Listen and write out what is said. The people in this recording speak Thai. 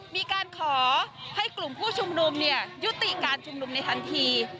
มีการขอให้กลุ่มผู้ชุมนุมยุติการชุมนุมในทันที